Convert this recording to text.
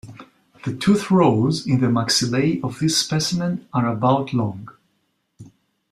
The tooth rows in the maxillae of this specimen are about long.